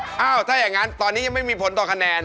ถ้าอย่างนั้นตอนนี้ยังไม่มีผลต่อคะแนน